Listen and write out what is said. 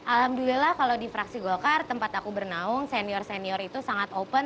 alhamdulillah kalau di fraksi golkar tempat aku bernaung senior senior itu sangat open